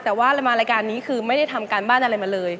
แต่ว่าเรามารายการนี้คือไม่ได้ทำการบ้านอะไรมาเลย